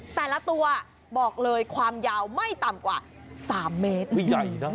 แต่ละตัวบอกเลยความยาวไม่ต่ำกว่า๓เมตร